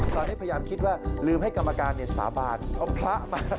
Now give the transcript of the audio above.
ตอนนี้พยายามคิดว่าลืมให้กรรมการสาบานเอาพระมา